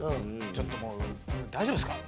ちょっともう「大丈夫ですか？」みたいな。